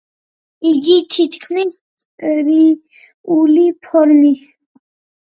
იგი თითქმის წრიული ფორმისაა.